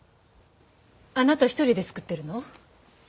あなた一人で作ってるの？